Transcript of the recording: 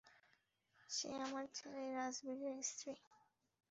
সে আমার ছেলে রাজবীরের স্ত্রী।